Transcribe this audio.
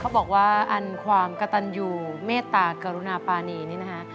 บอกว่าอันความกระตันอยู่เมตตากรุณาปานีนี่นะคะ